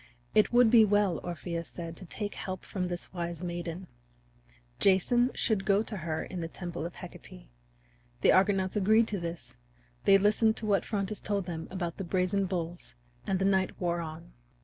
It would be well, Orpheus said, to take help from this wise maiden; Jason should go to her in the temple of Hecate. The Argonauts agreed to this; they listened to what Phrontis told them about the brazen bulls, and the night wore on.